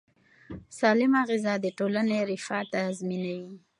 سالمه غذا د ټولنې رفاه تضمینوي.